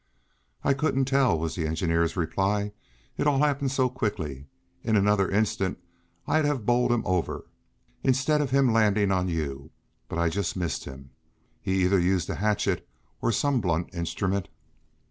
"I couldn't tell," was the engineer's reply, "it all happened so quickly. In another instant I'd have bowled him over, instead of him landing on you, but I just missed him. He either used the hatchet, or some blunt instrument."